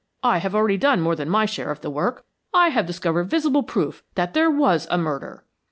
"I have already done more than my share of the work. I have discovered visible proof THAT THERE WAS A MURDER!"